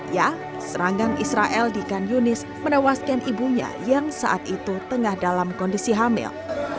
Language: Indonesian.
ya serangan israel di kan yunis menewaskan ibunya yang saat itu tengah dalam kondisi hamil